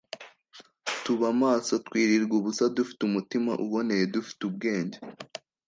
tuba maso, twirirwa ubusa, dufite umutima uboneye, dufite ubwenge,